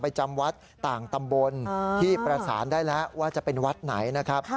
จำวัดต่างตำบลที่ประสานได้แล้วว่าจะเป็นวัดไหนนะครับ